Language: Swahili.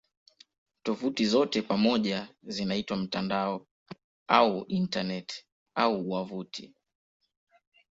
Tovuti zote pamoja zinaitwa "mtandao" au "Intaneti" au "wavuti".